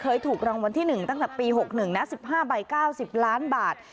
เคยถูกรางวัลที่๑ตั้งแต่ปี๖๑นะ๑๕ใบ๙๐ล้านบาท